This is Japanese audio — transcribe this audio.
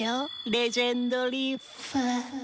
「レジェンドリーフ」。